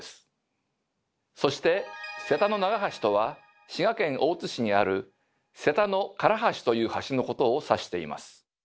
そして「瀬田の長はし」とは滋賀県大津市にある瀬田の唐橋という橋のことを指しています。